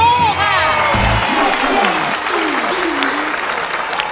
ดีครับ